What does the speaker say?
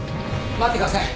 待ってください。